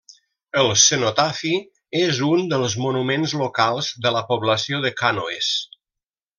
El cenotafi és un dels monuments locals de la població de Cànoes.